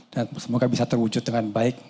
dan semoga bisa terwujud dengan baik